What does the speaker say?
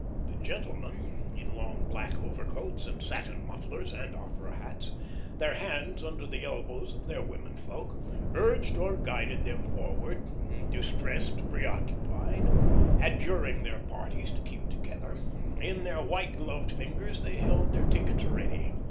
The gentlemen, in long, black overcoats, and satin mufflers, and opera hats; their hands under the elbows of their women folk, urged or guided them forward, distressed, preoccupied, adjuring their parties to keep together; in their white gloved fingers they held their tickets ready.